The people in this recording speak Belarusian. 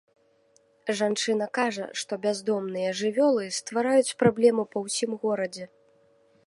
Жанчына кажа, што бяздомныя жывёлы ствараюць праблемы па ўсім горадзе.